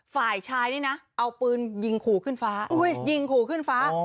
ฝ่ายชายเอาปืนยิงขู่ขึ้นฟ้า